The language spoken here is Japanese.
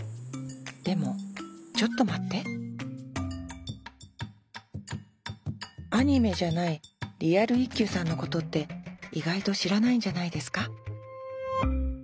でもちょっと待ってアニメじゃないリアル一休さんのことって意外と知らないんじゃないですか